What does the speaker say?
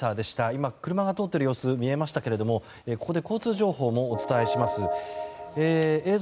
今、車が通っている様子が見えましたけどここで交通情報もお伝えします。